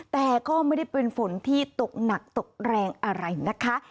แต่ก็ไม่ได้เป็นฝนที่ตกหนักตกแรงอะไรนะคะ